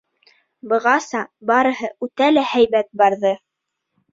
Бығаса барыһы үтә лә һәйбәт барҙы.